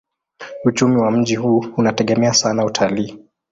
Uchumi wa mji huu unategemea sana utalii.